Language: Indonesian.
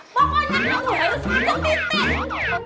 pokoknya kamu harus ajak titik